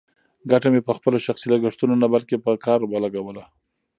ګټه مې په خپلو شخصي لګښتونو نه، بلکې په کار ولګوله.